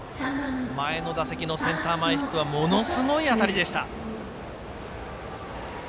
前の打席のセンター前ヒットはものすごい当たりでした。